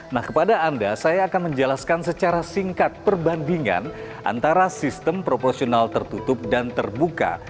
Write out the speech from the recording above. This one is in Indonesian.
nah kepada anda saya akan menjelaskan secara singkat perbandingan antara sistem proporsional tertutup dan terbuka